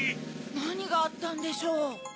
なにがあったんでしょう？